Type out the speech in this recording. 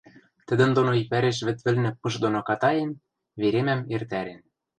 тӹдӹн доно иквӓреш вӹд вӹлнӹ пыш доно катаен, веремӓм эртӓрен.